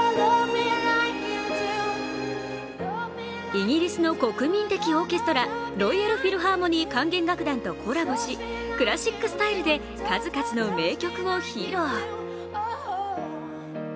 イギリスの国民的オーケストラ、ロイヤル・フィルハーモニー管弦楽団とコラボし、クラシックスタイルで数々の名曲を披露。